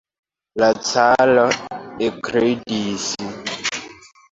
La caro ekridis.